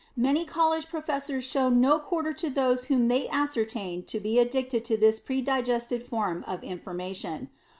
Many College Professors show no quarter to those whom they ascertain to be addicted to this predigested form of information.